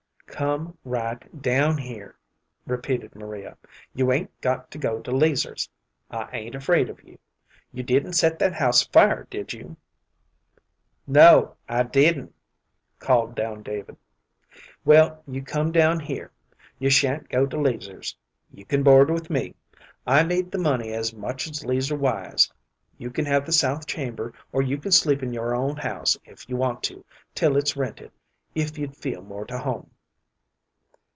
"Come right down here," repeated Maria. "You ain't got to go to 'Leazer's. I ain't afraid of you. You didn't set that house afire, did you?" "No, I didn't," called down David. "Well, you come down here. You sha'n't go to 'Leazer's. You can board with me. I need the money as much as 'Leazer Wise. You can have the south chamber, or you can sleep in your own house, if you want to, till it's rented, if you'd feel more to home."